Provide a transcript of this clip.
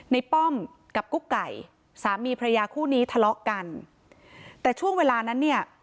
ป้อมกับกุ๊กไก่สามีพระยาคู่นี้ทะเลาะกันแต่ช่วงเวลานั้นเนี่ย